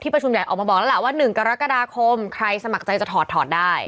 ประชุมใหญ่ออกมาบอกแล้วล่ะว่า๑กรกฎาคมใครสมัครใจจะถอดถอดได้